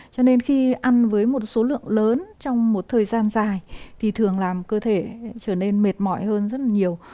cho nên khi ăn với một số lượng lớn trong một thời gian dài thì thường làm cơ thể trở nên mệt mỏi hơn rất là nhiều